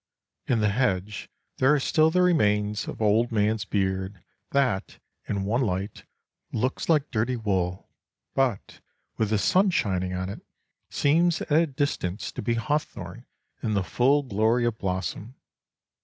In the hedge there are still the remains of old man's beard that, in one light, looks like dirty wool, but, with the sun shining on it, seems at a distance to be hawthorn in the full glory of blossom.